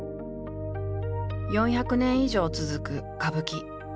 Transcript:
４００年以上続く歌舞伎。